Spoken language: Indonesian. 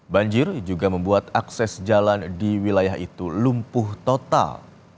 banjir juga membuat akses jalan di wilayah itu lumpuh total